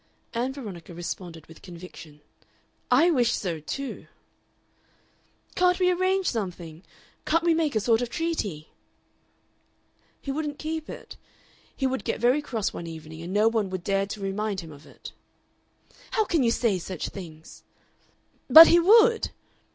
Ann Veronica responded with conviction: "I wish so, too." "Can't we arrange something? Can't we make a sort of treaty?" "He wouldn't keep it. He would get very cross one evening and no one would dare to remind him of it." "How can you say such things?" "But he would!"